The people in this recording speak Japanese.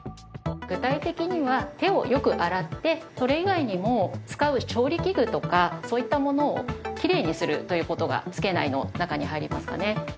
具体的には手をよく洗ってそれ以外にも使う調理器具とかそういったものをきれいにするという事が「付けない」の中に入りますかね。